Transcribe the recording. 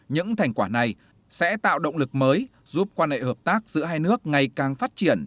những thành quả này sẽ tạo động lực mới giúp quan hệ hợp tác giữa hai nước ngày càng phát triển